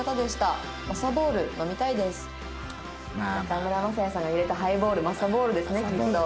中村昌也さんが入れたハイボール昌ボールですねきっと。